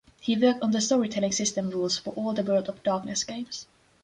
He worked on the Storytelling system rules for all the World of Darkness games.